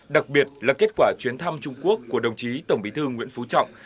đặc biệt là kết quả chuyến thăm trung quốc của đồng chí tổng bí thư nguyễn phú trọng